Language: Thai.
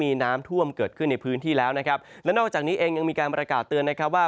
มีน้ำท่วมเกิดขึ้นในพื้นที่แล้วนะครับและนอกจากนี้เองยังมีการประกาศเตือนนะครับว่า